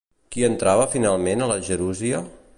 Qui entrava finalment a la gerúsia?